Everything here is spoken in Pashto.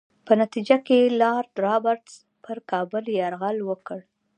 په نتیجه کې لارډ رابرټس پر کابل یرغل وکړ.